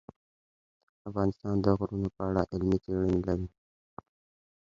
افغانستان د غرونه په اړه علمي څېړنې لري.